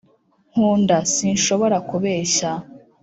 nkunda) sinshobora kubeshya.